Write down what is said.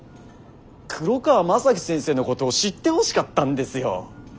黒川政樹先生のことを知ってほしかったんですよ。